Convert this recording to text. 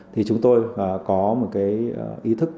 thì chúng tôi có một ý thức